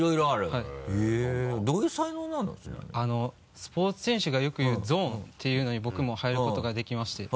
スポーツ選手がよくいうゾーンっていうのに僕も入ることができまして。